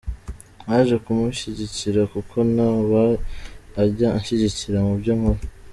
Naje kumushyigikira kuko na we ajya anshyigikira mu byo nkora.